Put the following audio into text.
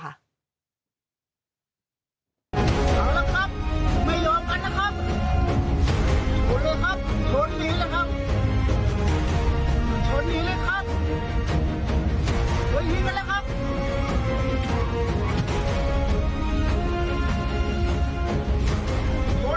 หล่นแล้วหนีครับหล่นแล้วหนีครับ